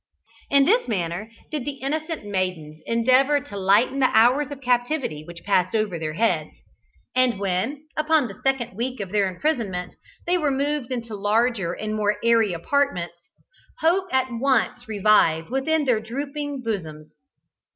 In this manner did the innocent maidens endeavour to lighten the hours of captivity which passed over their heads, and when, upon the second week of their imprisonment, they were moved into larger and more airy apartments, hope at once revived within their drooping bosoms.